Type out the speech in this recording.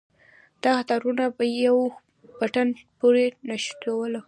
دغه تارونه په يوه بټن پورې نښلوو.